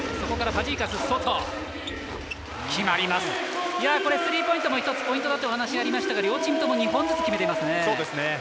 これ、スリーポイントも一つ、ポイントだという話がありましたが両チームとも２本ずつ決めていますね。